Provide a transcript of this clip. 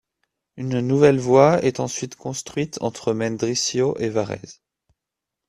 Une nouvelle voie est ensuite construite entre Mendrisio et Varèse.